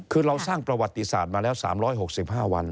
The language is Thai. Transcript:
คือเราสร้างประวัติศาสตร์มาแล้ว๓๖๕วัน